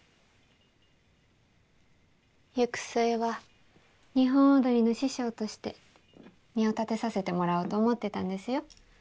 行く末は日本踊りの師匠として身を立てさせてもらおうと思ってたんですよ。